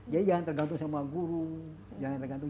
jadi jangan tergantung sama guru jangan tergantung